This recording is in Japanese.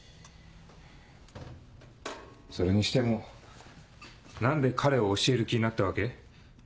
それにしても何で彼を教える気になったわけ？